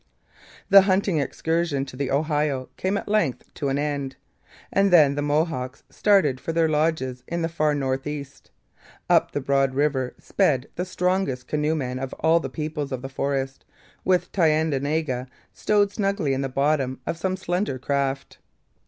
The hunting excursion to the Ohio came at length to an end, and then the Mohawks started for their lodges in the far north east. Up the broad river sped the strongest canoe men of all the peoples of the forest, with Thayendanegea stowed snugly in the bottom of some slender craft.